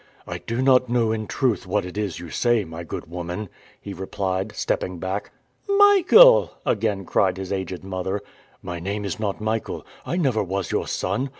"I do not know in truth what it is you say, my good woman," he replied, stepping back. "Michael!" again cried his aged mother. "My name is not Michael. I never was your son!